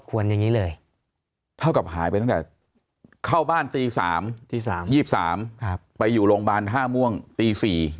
อย่างนี้เลยเท่ากับหายไปตั้งแต่เข้าบ้านตี๓๒๓ไปอยู่โรงพยาบาลท่าม่วงตี๔